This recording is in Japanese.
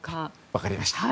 分かりました。